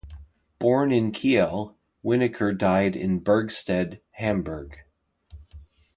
Born in Kiel, Wenneker died in Bergstedt, Hamburg.